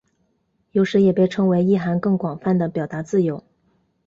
有时也被称为意涵更广泛的表达自由。